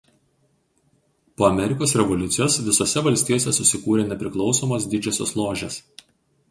Po Amerikos revoliucijos visose valstijose susikūrė nepriklausomos didžiosios ložės.